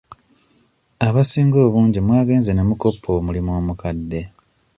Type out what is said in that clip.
Abasinga obungi mwagenze ne mukoppa omulimu omukadde.